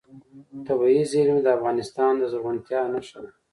طبیعي زیرمې د افغانستان د زرغونتیا نښه ده.